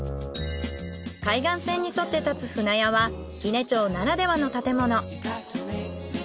海岸線に沿って建つ舟屋は伊根町ならではの建物。